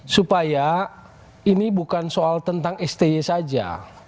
supaya ini bukan soal tentang sti saja